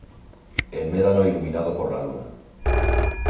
el médano iluminado por la luna ;